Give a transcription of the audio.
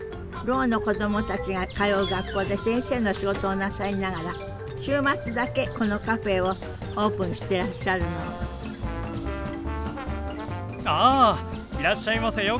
ろうの子供たちが通う学校で先生の仕事をなさりながら週末だけこのカフェをオープンしてらっしゃるのあいらっしゃいませ。